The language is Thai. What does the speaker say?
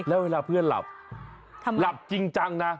แล้วเวลาเพื่อนหลับหลับจริงจังนะ